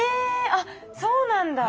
あっそうなんだ。